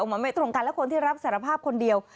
มันไม่ตรงกันและคนที่รับสารภาพคนเดียว